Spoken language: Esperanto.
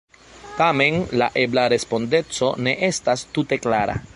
Tamen, la ebla respondeco ne estas tute klara.